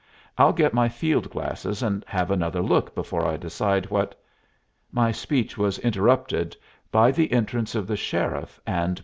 I'll get my field glasses and have another look before I decide what " My speech was interrupted by the entrance of the sheriff and Mr. Camp!